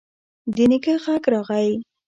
د نيکه غږ راغی: